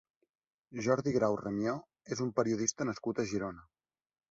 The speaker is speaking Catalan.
Jordi Grau Ramió és un periodista nascut a Girona.